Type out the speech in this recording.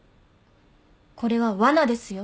これはわなですよ。